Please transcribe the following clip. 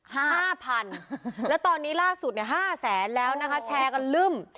ห้าพันแล้วตอนนี้ล่าสุดเนี่ยห้าแสนแล้วนะคะแชร์กันลึ่ม